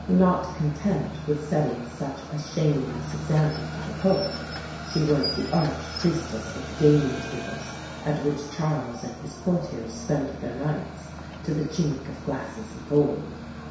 Not content with setting such a shameless example to the Court, she was the arch priestess of the gaming tables at which Charles and his courtiers spent their nights to the chink of glasses and gold.